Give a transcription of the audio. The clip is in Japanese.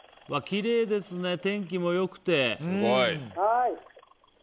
きれいですね、天気も良くて。